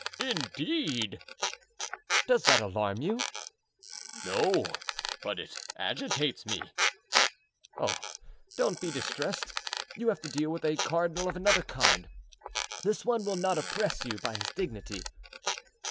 indeed!" "Does that alarm you?" "No, but it agitates me." "Oh! don't be distressed; you have to deal with a cardinal of another kind. This one will not oppress you by his dignity."